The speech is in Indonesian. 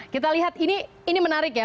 kita lihat ini menarik ya